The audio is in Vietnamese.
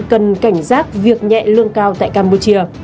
cần cảnh giác việc nhẹ lương cao tại campuchia